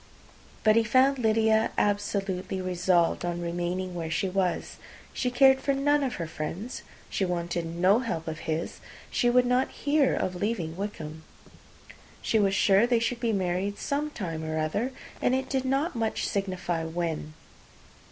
But he found Lydia absolutely resolved on remaining where she was. She cared for none of her friends; she wanted no help of his; she would not hear of leaving Wickham. She was sure they should be married some time or other, and it did not much signify when.